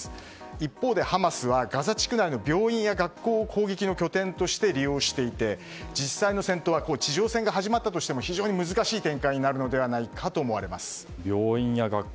一方でハマスはガザ地区内の病院や学校を攻撃の拠点として利用していて実際の戦闘は地上戦が始まったとしても非常に難しい展開に病院や学校。